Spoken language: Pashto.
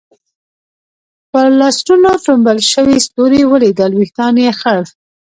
پر لستوڼو ټومبل شوي ستوري ولیدل، وېښتان یې خړ.